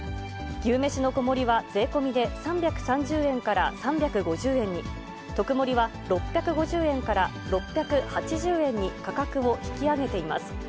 牛めしの小盛は税込みで３３０円から３５０円に、特盛は６５０円から６８０円に価格を引き上げています。